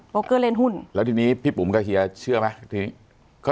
เกอร์เล่นหุ้นแล้วทีนี้พี่ปุ๋มกับเฮียเชื่อไหม